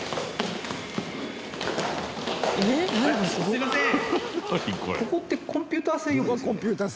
すいません。